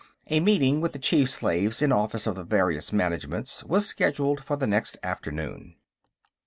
A meeting with the chief slaves in office of the various Managements was scheduled for the next afternoon.